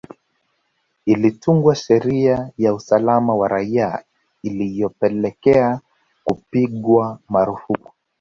Ilitungwa sheria ya usalama wa raia ilyopelekea kupigwa marufuku